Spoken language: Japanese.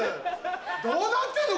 どうなってんの？